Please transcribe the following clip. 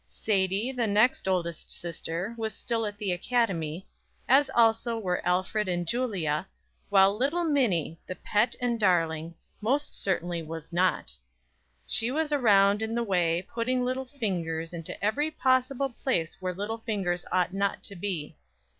Sadie, the next oldest sister, was still at the academy, as also were Alfred and Julia, while little Minnie, the pet and darling, most certainly was not. She was around in the way, putting little fingers into every possible place where little fingers ought not to be.